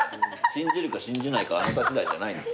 信じるか信じないかはあなた次第じゃないんです。